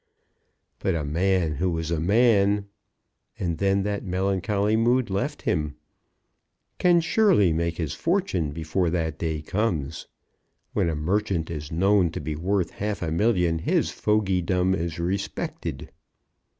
But a man who is a man " and then that melancholy mood left him, "can surely make his fortune before that day comes. When a merchant is known to be worth half a million, his fogeydom is respected."